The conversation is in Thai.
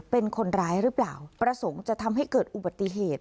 เป็นคนร้ายหรือเปล่าประสงค์จะทำให้เกิดอุบัติเหตุ